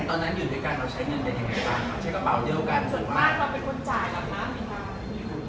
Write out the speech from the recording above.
ตอนนั้นอยู่ด้วยกันเราใช้เงินเป็นยังไงครับ